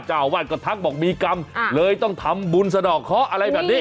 เจ้าอาวาสก็ทักบอกมีกรรมเลยต้องทำบุญสะดอกเคาะอะไรแบบนี้